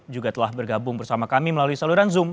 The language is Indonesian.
juga telah bergabung bersama kami melalui sambungan zoom